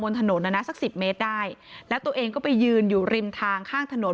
ถนนน่ะนะสักสิบเมตรได้แล้วตัวเองก็ไปยืนอยู่ริมทางข้างถนน